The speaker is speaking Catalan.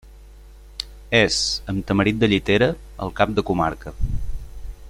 És, amb Tamarit de Llitera, el cap de comarca.